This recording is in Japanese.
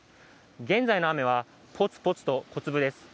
現在の雨は、ポツポツと小粒です。